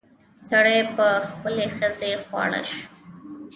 سړي په خپلې ښځې خواړه شو.